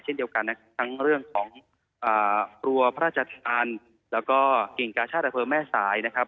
เช่นเดียวกันนะครับทั้งเรื่องของรัวพระราชทานแล้วก็กิ่งกาชาติอเภอแม่สายนะครับ